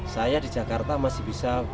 saya di jakarta masih bisa